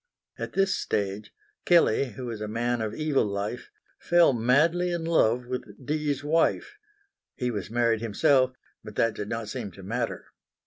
At this stage Kelley, who was a man of evil life, fell madly in love with Dee's wife. He was married himself, but that did not seem to matter.